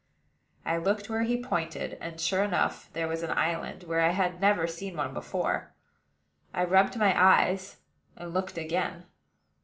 I looked where he pointed; and, sure enough, there was an island where I had never seen one before. I rubbed my eyes, and looked again.